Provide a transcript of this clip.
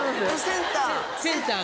センター。